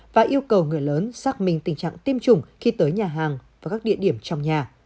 và yêu cầu người lớn xác minh tình trạng tiêm chủng khi tới nhà hàng và các địa điểm trong nhà